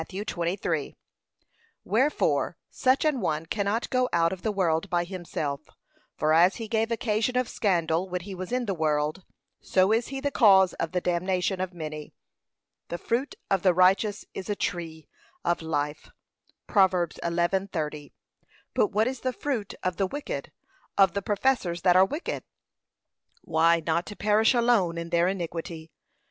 23) Wherefore such an one cannot go out of the world by himself: for as he gave occasion of scandal when he was in the world, so is he the cause of the damnation of many. 'The fruit of the righteous is a tree of life.' (Prov. 11:30) But what is the fruit of the wicked, of the professors that are wicked? why, not to perish alone in their iniquity.